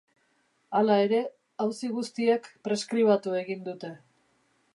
Hala ere, auzi guztiek preskribatu egin dute.